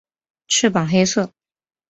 翅膀黑色。